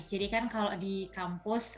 jadi kan kalau di kampus